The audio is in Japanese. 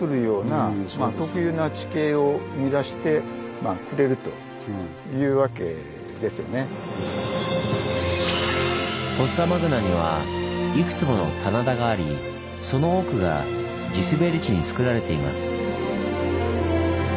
まさにフォッサマグナにはいくつもの棚田がありその多くが地すべり地につくられています。